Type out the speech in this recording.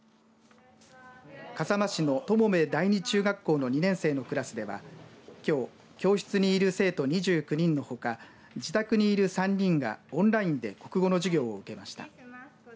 笠間市の友部第二中学校の２年生のクラスではきょう教室にいる生徒２９人のほか自宅にいる３人がオンラインで国語の授業を受けました。